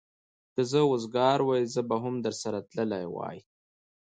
که زه وزګار وای، زه به هم درسره تللی وای.